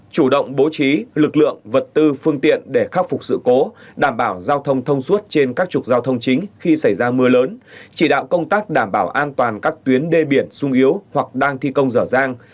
chủ động bố trí lực lượng vật tư phương tiện để khắc phục sự cố đảm bảo giao thông thông suốt trên các trục giao thông chính khi xảy ra mưa lớn chỉ đạo công tác đảm bảo an toàn các tuyến đê biển sung yếu hoặc đang thi công dở dàng